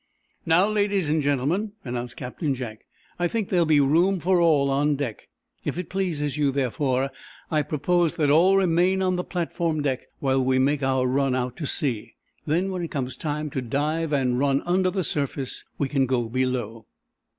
"Now, ladies and gentlemen," announced Captain Jack, "I think there will be room for all on deck. If it pleases you, therefore, I propose that all remain on the platform deck while we make our run out to sea. Then, when it comes time to dive and run under the surface, we can go below."